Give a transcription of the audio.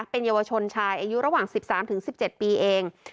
เป็นเยาวชนชายอายุระหว่าง๑๓๑๗ปีเอง